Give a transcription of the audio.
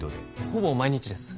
ほぼ毎日です